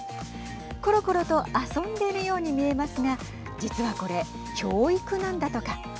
ころころと遊んでいるように見えますが実はこれ、教育なんだとか。